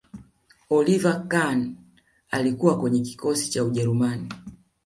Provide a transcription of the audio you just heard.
oliver kahn alikuwa kwenye kikosi cha ujerumani